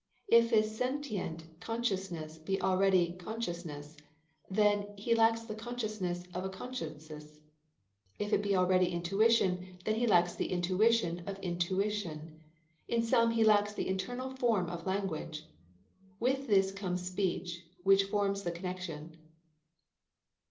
If his sentient consciousness be already consciousness, then he lacks the consciousness of consciousness; if it be already intuition, then he lacks the intuition of intuition. In sum, he lacks the internal form of language. With this comes speech, which forms the connexion.